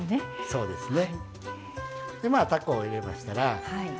そうですね。